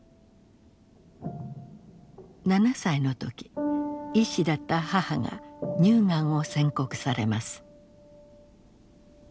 ７歳の時医師だった母が乳がんを宣告されます。